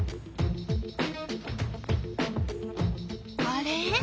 あれ？